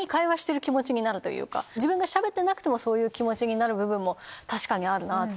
自分がしゃべってなくてもそういう気持ちになる部分もある。